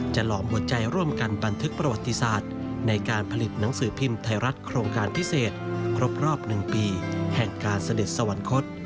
หลอมหัวใจร่วมกันบันทึกประวัติศาสตร์ในการผลิตหนังสือพิมพ์ไทยรัฐโครงการพิเศษครบรอบ๑ปีแห่งการเสด็จสวรรคต